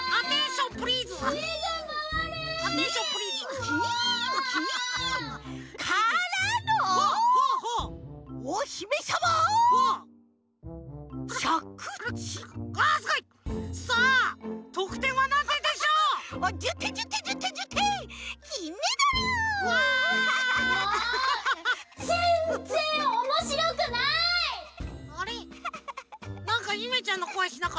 なんかゆめちゃんのこえしなかった？